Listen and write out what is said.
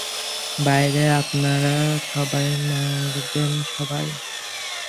বাইরে আপনারা সবাই মরবেন, সবাই!